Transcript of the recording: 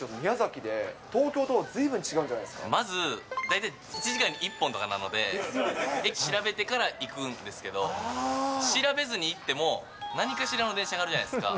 戸郷選手、宮崎で、東京とずいぶまず、大体１時間に１本とかなので、駅調べてから行くんですけれども、調べずに行っても、何かしらの電車があるじゃないですか。